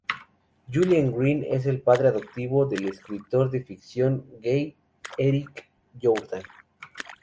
Julien Green es el padre adoptivo del escritor de ficción gay, Éric Jourdan.